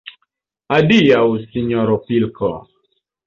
Adiaŭ, sinjoro pilko!